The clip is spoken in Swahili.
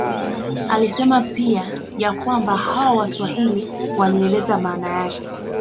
Alisema pia ya kwamba hao Waswahili walieleza maana yake